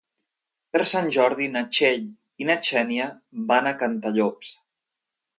Per Sant Jordi na Txell i na Xènia van a Cantallops.